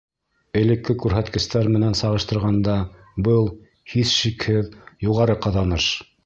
Элекке күрһәткестәр менән сағыштырғанда, был, һис шикһеҙ, юғары ҡаҙаныш.